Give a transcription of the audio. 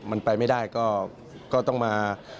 มันไปไม่ได้ก็ต้องมา